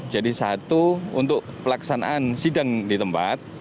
jadi satu untuk pelaksanaan sidang di tempat